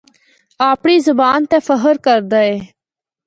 آپڑی زبان تے فخر کردا اے۔